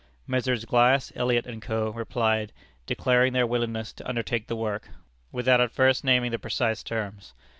Messrs. Glass, Elliot & Co., replied, declaring their willingness to undertake the work, without at first naming the precise terms.